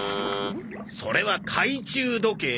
それは海中時計。